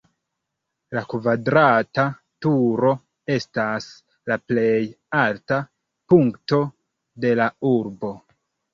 La kvadrata turo estas la plej alta punkto de la urbo.